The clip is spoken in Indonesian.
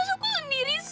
aku sendiri sih